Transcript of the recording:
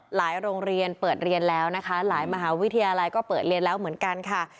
โรงเรียนเปิดเรียนแล้วนะคะหลายมหาวิทยาลัยก็เปิดเรียนแล้วเหมือนกันค่ะ